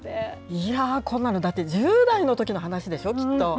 いやー、こんなのだって、１０代のときの話でしょ、きっと。